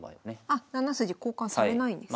あっ７筋交換されないんですね。